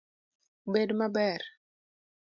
Bed maber